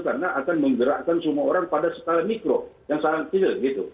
karena akan menggerakkan semua orang pada setara mikro yang saat itu gitu